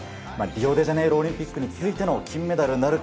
リオデジャネイロオリンピックに続いての金メダルなるか。